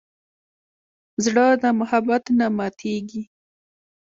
زړه د محبت نه ماتېږي.